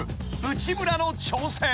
［内村の挑戦］